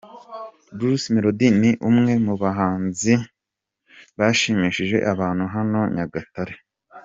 Bruce Melodie ni umwe mu bahanzi bashimishije abantu hano Nyagatare.